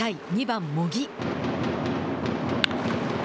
２番茂木。